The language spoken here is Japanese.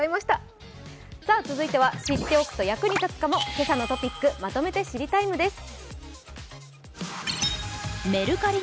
続いては、知っておくと役に立つかも「けさのトピックまとめて知りＴＩＭＥ，」です。